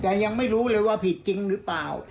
แต่ยังไม่รู้เลยว่าผิดจริงหรือเปล่า